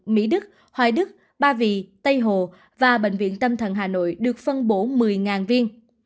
mỹ đức hoài đức ba vì tây hồ và bệnh viện tâm thần hà nội được phân bổ một mươi viên